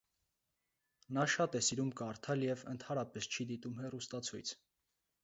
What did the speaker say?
Նա շատ է սիրում կարդալ և ընդհանրապես չի դիտում հեռուստացույց։